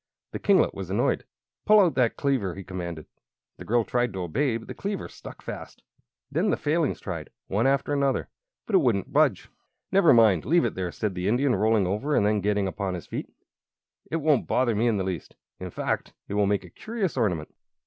The kinglet was annoyed. "Pull out that cleaver," he commanded. The girl tried to obey, but the cleaver stuck fast. Then the Failings tried, one after another; but it wouldn't budge. "Never mind, leave it there," said the Indian, rolling over and then getting upon his feet. "It won't bother me in the least. In fact, it will make a curious ornament."